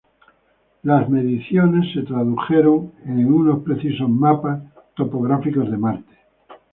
Las mediciones se tradujeron en unos precisos mapas topográficos de Marte.